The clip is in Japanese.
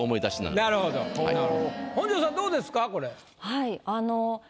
はい。